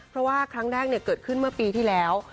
เพราะว่าครั้งแรกเกิดขึ้นเมื่อปีที่แล้ว